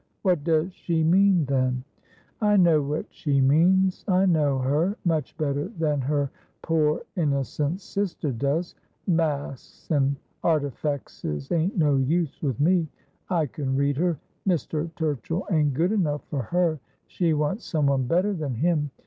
' What does she mean, then ?'' I know what she means. I know her ; much better than her poor innocent sister does. Masks and artifexes ain't no use with me. I can read her. Mr. Turchill ain't good enough for her. She wants someone better than him.